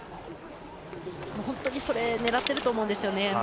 本当にそれ狙ってると思うんですよね。